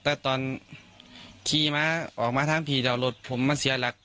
แต่ตอนขี่มาออกมาทางผีแต่รถผมมันเสียหลัก